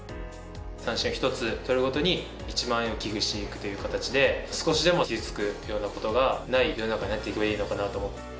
三振を１つ取るごとに１万円を寄付していくという形で少しでも傷つくような事がない世の中になっていけばいいのかなと。